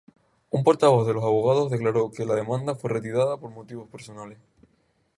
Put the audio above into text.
Un portavoz de los abogados declaró que la demanda fue retirada por motivos personales.